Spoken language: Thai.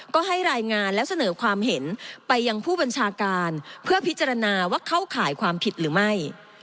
ก็ให้รายงานและเสนอความเห็นไปยังผู้บัญชาการเพื่อพิจารณาว่าเข้าข่ายความผิดหรือไม่